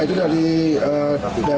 itu dari ojek pangkalan